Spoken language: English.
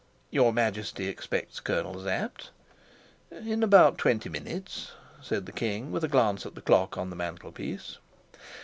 "Your Majesty expects Colonel Sapt?" "In about twenty minutes," said the king, with a glance at the clock on the mantelpiece.